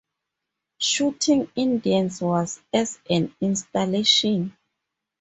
Shooting Indians was as an installation.